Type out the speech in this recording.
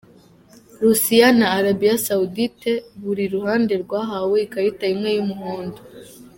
Russia na Arabia Saudite buri ruhande rwahawe ikarita imwe y’umuhondo.